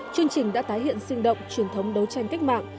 chương trình đã tái hiện sinh động truyền thống đấu tranh cách mạng